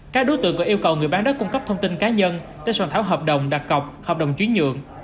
các đối tượng có yêu cầu người bán đất cung cấp thông tin cá nhân để soàn tháo hợp đồng đặc cọc hợp đồng chuyến nhượng